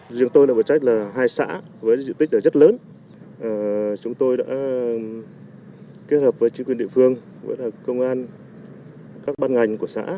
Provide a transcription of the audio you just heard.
đối với lực lượng công an